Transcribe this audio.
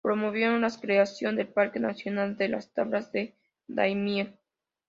Promovieron la creación del Parque nacional de las Tablas de Daimiel.